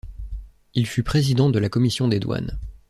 Il fut président de la commission des douanes.